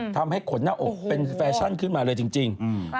ทำให้ขนนาออกเป็นแฟชั่นขึ้นซึ่งจริง